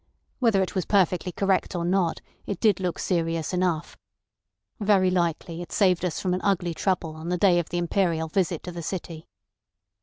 Whether it was perfectly correct or not, it did look serious enough. Very likely it saved us from an ugly trouble on the day of the Imperial visit to the City.